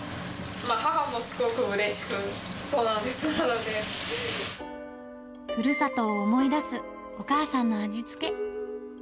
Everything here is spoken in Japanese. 母もすごくうれしく、ふるさとを思い出すお母さんの味付け。